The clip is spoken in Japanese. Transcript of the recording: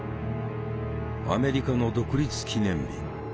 アメリカの独立記念日。